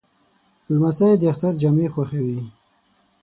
لمسی د اختر جامې خوښوي.